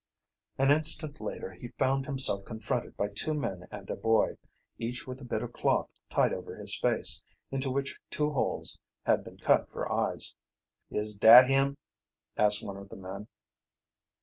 An instant later he found himself confronted by two men and a boy, each with a bit of cloth tied over his face, into which two holes had been cut for eyes. "Is dat him?" asked one of the men.